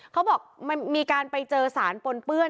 เขาบอกมันมีการไปเจอสารปนเปื้อน